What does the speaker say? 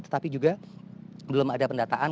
tetapi juga belum ada pendataan